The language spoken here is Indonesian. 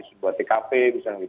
sebuah ckp misalnya